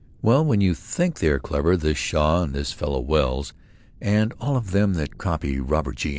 Well, when you think they are clever, this Shaw and this fellow Wells and all of them that copy Robert G.